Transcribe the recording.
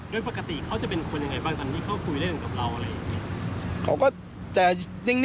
โดยปกติเขาจะเป็นคนยังไงบ้างตอนที่เขาคุยเล่นกับเราอะไรอย่างนี้